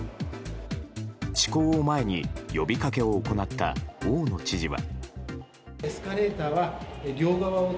施行を前に呼びかけを行った大野知事は。